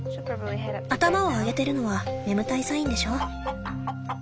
頭を上げてるのは眠たいサインでしょ。